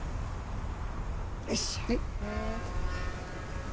よし！